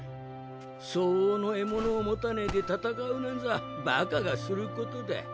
相応の得物を持たねぇで闘うなんざ馬鹿がすることだ